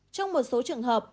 trong một số trường hợp